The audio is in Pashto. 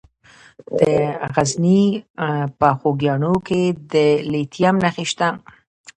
د غزني په خوږیاڼو کې د لیتیم نښې شته.